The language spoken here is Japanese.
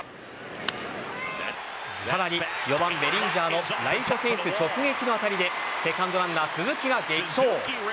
さらに、４番・ベリンジャーのライトフェンス直撃の当たりでセカンドランナー・鈴木が激走。